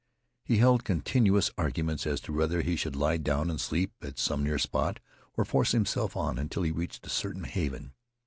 He held continuous arguments as to whether he should lie down and sleep at some near spot, or force himself on until he reached a certain haven.